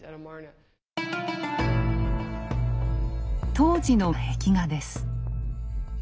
当時の壁画です。